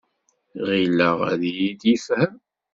Ɣileɣ ad iyi-d-yefhem.